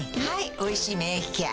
「おいしい免疫ケア」